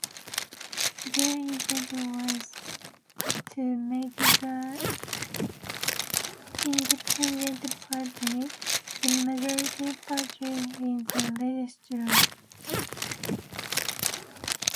Their intent was to make the Independent Party the majority party in the legislature.